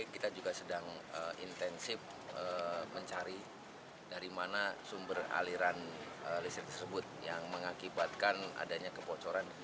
kita juga sedang intensif mencari dari mana sumber aliran listrik tersebut yang mengakibatkan adanya kebocoran